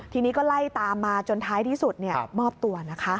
ทีนี้ก็ไล่ตามมาจนท้ายที่สุดมอบตัวนะคะ